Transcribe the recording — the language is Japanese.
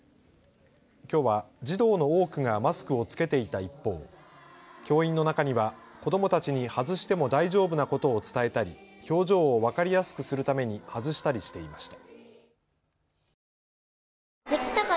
きょうは児童の多くがマスクを着けていた一方、教員の中には子どもたちに外しても大丈夫なことを伝えたり表情を分かりやすくするために外したりしていました。